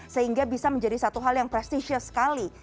sehingga bisa menjadi satu hal yang prestisius sekali